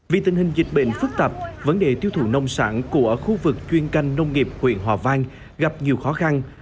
vì tình hình dịch bệnh phức tạp vấn đề tiêu thụ nông sản của khu vực chuyên canh nông nghiệp huyện hòa vang gặp nhiều khó khăn